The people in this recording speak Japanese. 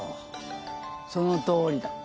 そのとおりだ。